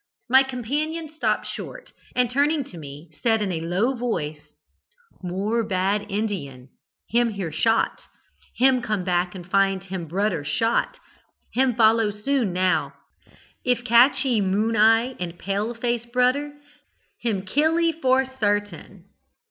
My companion stopped short, and turning to me, said, in a low voice: "'More bad Indian. Him hear shot. Him come back and find him broder shot. Him follow soon now. If catchee Moon eye and pale face broder, him killee for sartain.'